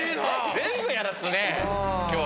全部やらすね今日。